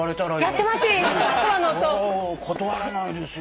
断れないですよ。